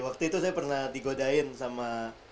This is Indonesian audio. waktu itu saya pernah digodain sama